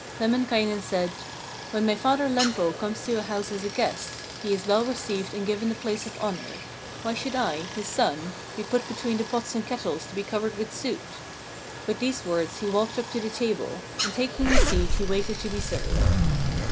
Lemminkainen said: 'When my father Lempo comes to a house as a guest, he is well received and given the place of honour. Why should I, his son, be put between the pots and kettles to be covered with soot?' With these words he walked up to the table, and taking his seat he waited to be served.